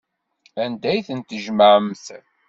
Anda ay ten-tjemɛemt?